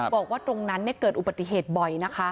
บอกว่าตรงนั้นเกิดอุบัติเหตุบ่อยนะคะ